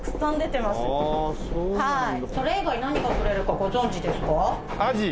それ以外何がとれるかご存じですか？